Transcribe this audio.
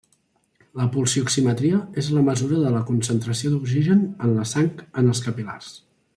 La pulsioximetria és la mesura de la concentració d'oxigen en la sang en els capil·lars.